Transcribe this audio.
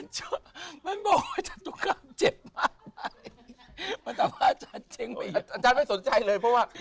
จรับ